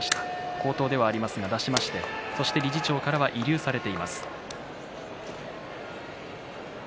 口頭ではありますが出しまして理事長からは慰留されています。